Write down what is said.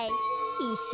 いっしょう